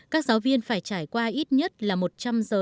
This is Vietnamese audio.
các giáo viên phải trải qua ít nhất là một trăm linh giờ